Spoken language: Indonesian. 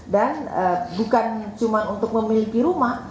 dan bukan cuma untuk memiliki rumah